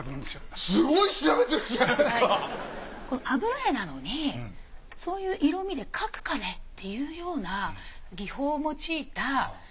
油絵なのにそういう色味で描くかねっていうような技法を用いた。